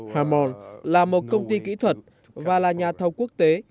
hamon là một công ty kỹ thuật và là nhà thầu quốc tế